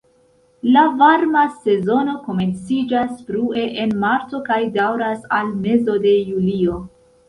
La varma sezono komenciĝas frue en marto kaj daŭras al mezo de julio.